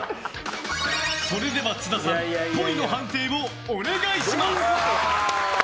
それでは津田さんぽいの判定をお願いします。